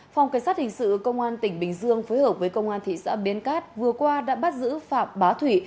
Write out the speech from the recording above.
phòng cảnh sát hình sự công an tỉnh bình dương phối hợp với công an thị xã biên cát vừa qua đã bắt giữ phạm bá thủy